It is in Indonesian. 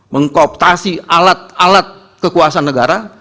mengkooptasi alat alat kekuasaan negara